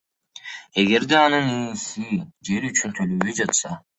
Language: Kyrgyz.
эгерде анын ээси жер үчүн төлөбөй жатса.